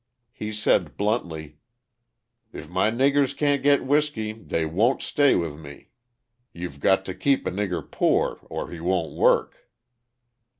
He said bluntly: "If my niggers can't get whisky they won't stay with me; you've got to keep a nigger poor or he won't work."